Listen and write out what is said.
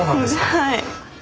はい。